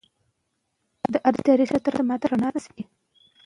که مادي ژبه وي، نو د پوهې حاصلولو کې هیڅ خنډ نسته.